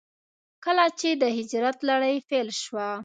کله چې د هجرت لړۍ پيل شوه.